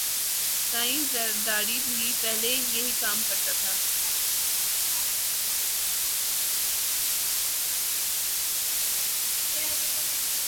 سائیں زرداری بھی پہلے یہئ کام کرتا تھا